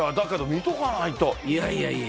いやいやいや。